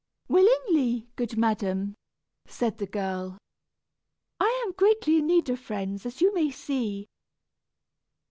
"Willingly, good madam," said the girl. "I am greatly in need of friends, as you may see."